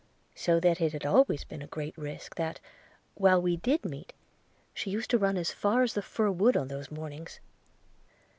So that it had always been at a great risk that, while we did meet, she used to run as far as the fir wood on those mornings.